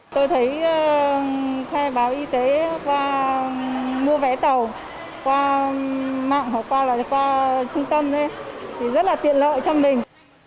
tôi thấy khai báo y tế qua mua vé tàu qua mạng hoặc qua là qua trung tâm thì rất là tiện lợi cho mình